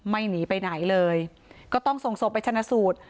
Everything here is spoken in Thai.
หนีไปไหนเลยก็ต้องส่งศพไปชนะสูตร